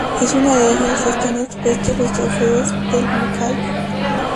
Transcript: En una de ellas, están expuestos los trofeos del Mcal.